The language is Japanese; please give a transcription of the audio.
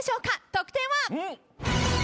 得点は？